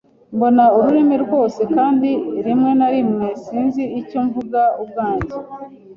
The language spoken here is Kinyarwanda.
mbona ururimi rwose, kandi rimwe na rimwe sinzi icyo mvuga ubwanjye.